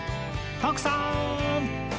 徳さん！